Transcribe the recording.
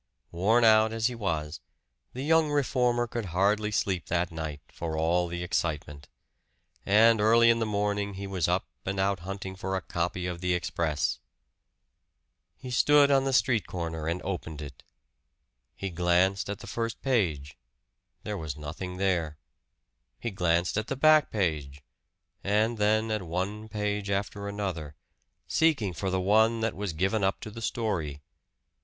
Worn out as he was, the young reformer could hardly sleep that night, for all the excitement. And early in the morning he was up and out hunting for a copy of the "Express." He stood on the street corner and opened it. He glanced at the first page there was nothing there. He glanced at the back page, and then at one page after another, seeking for the one that was given up to the story.